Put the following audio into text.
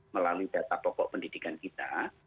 melalui data pokok pendidikan kita